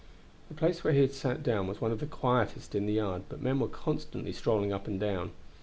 The place where he had sat down was one of the quietest in the yard, but men were constantly strolling up and down.